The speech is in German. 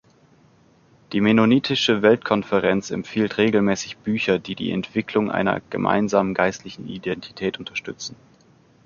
Die Mennonitische Weltkonferenz empfiehlt regelmäßig Bücher, die die Entwicklung einer gemeinsamen geistlichen Identität unterstützen.